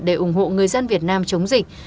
để ủng hộ người dân việt nam chống dịch